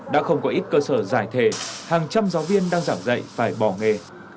đã không có ít cơ sở giải thể hàng trăm giáo viên đang giảng dạy phải bỏ nghề